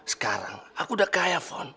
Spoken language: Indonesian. sekarang aku udah kaya phone